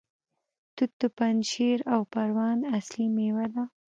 توت د پنجشیر او پروان اصلي میوه ده.